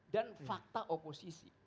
dan fakta oposisi